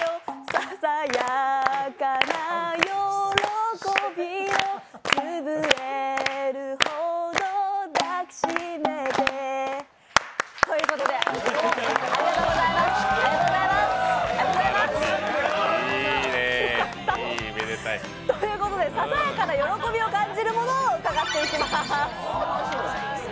ささやかな喜びをつぶれるほど抱きしめてありがとうございます。ということで、ささやかな喜びを感じるものを伺っていきます。